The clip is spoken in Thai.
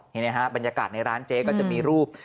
นี่นะฮะบรรยากาศในร้านเจ๊ก็จะมีรูป